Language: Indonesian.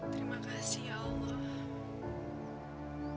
terima kasih ya allah